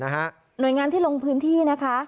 หน่วยงานที่ลงพื้นที่นะคะ